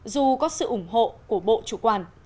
dù có sự ủng hộ của bộ chủ quản